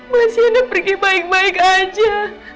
mas yena pergi baik baik aja